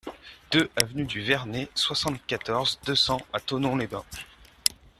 deux avenue du Vernay, soixante-quatorze, deux cents à Thonon-les-Bains